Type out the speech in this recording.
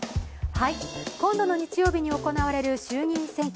今度の日曜日に行われる衆議院選挙。